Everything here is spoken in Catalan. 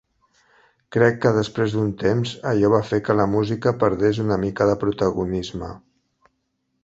Crec que després d'un temps allò va fer que la música perdés una mica de protagonisme.